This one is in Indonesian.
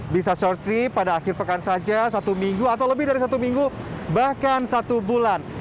bisa short trip pada akhir pekan saja satu minggu atau lebih dari satu minggu bahkan satu bulan